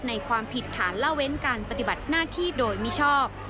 ความผิดฐานล่าเว้นการปฏิบัติหน้าที่โดยมิชอบ